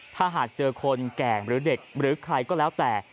ถ้าหากเจอคนแก่งหรือเด็กหรือใครก็แล้วแต่